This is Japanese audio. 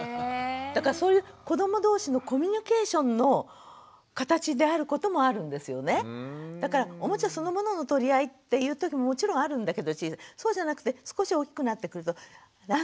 だからそういう子ども同士のコミュニケーションの形であることもあるんですよね。だからおもちゃそのものの取り合いっていうときももちろんあるんだけどそうじゃなくて少し大きくなってくるとあの子の。